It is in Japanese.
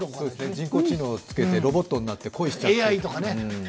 人工知能をつけてロボットになって、恋しちゃって。